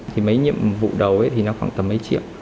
thì mấy nhiệm vụ đầu thì nó khoảng tầm mấy triệu